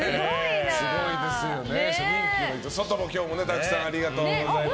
外も今日もたくさんありがとうございます。